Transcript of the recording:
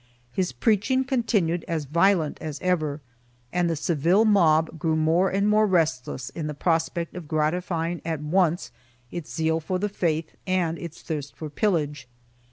His preaching continued as violent as ever and the Seville mob grew more and more restless in the prospect of gratifying at once its zeal for the faith and its thirst for pillage.